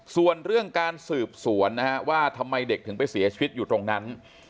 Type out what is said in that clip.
ส่วนเรื่องการสืบสวนนะฮะว่าทำไมเด็กถึงไปเสียชีวิตอยู่ตรงนั้น